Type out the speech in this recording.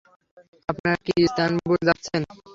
আপনারা কি ইস্তানবুল যাচ্ছেন?